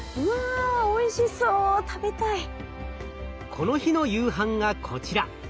この日の夕飯がこちら。